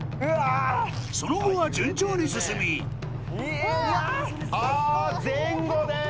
その後は順調に進みあ前後です。